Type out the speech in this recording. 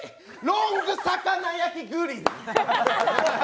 ロング魚焼きグリル。